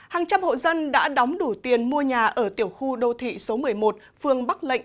hàng trăm hộ dân đã đóng đủ tiền mua nhà ở tiểu khu đô thị số một mươi một phương bắc lệnh